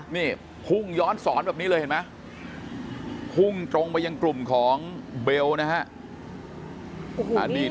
นี่พุ่งย้อนสอนแบบนี้เลยเห็นไหมพุ่งตรงไปยังกลุ่มของเบลนะฮะ